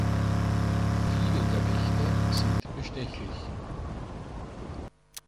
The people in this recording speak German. Viele der Wächter sind bestechlich.